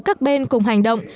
các bên cùng hành động